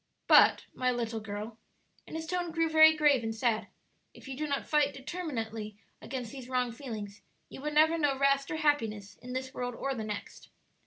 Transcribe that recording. But, my little girl," and his tone grew very grave and sad, "if you do not fight determinately against these wrong feelings you will never know rest or happiness in this world or the next.